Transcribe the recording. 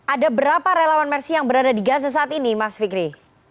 ada berapa relawan mersi yang berada di gaza saat ini mas fikri